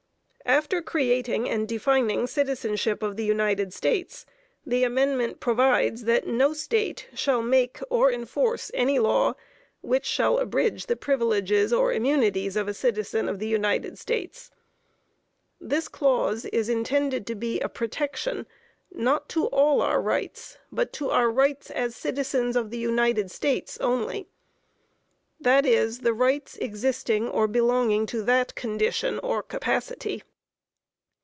After creating and defining citizenship of the United States, the Amendment provides that no State shall make or enforce any law which shall abridge the privileges or immunities of a citizen of the United States. This clause is intended to be a protection, not to all our rights, but to our rights as citizens of the United States only; that is, the rights existing or belonging to that condition or capacity.